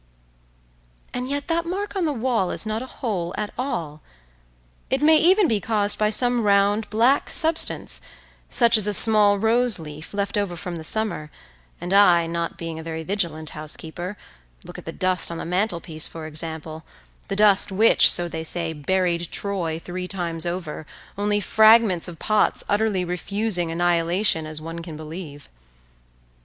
…And yet that mark on the wall is not a hole at all. It may even be caused by some round black substance, such as a small rose leaf, left over from the summer, and I, not being a very vigilant housekeeper—look at the dust on the mantelpiece, for example, the dust which, so they say, buried Troy three times over, only fragments of pots utterly refusing annihilation, as one can believe.